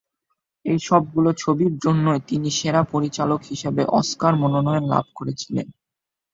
এই সবগুলো ছবির জন্যই তিনি সেরা পরিচালক হিসেবে অস্কার মনোনয়ন লাভ করেছিলেন।